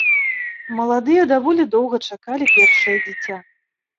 Маладыя даволі доўга чакалі першае дзіця.